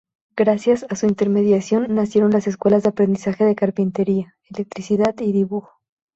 Gracias a su intermediación nacieron las Escuelas de aprendizaje de carpintería, electricidad y dibujo.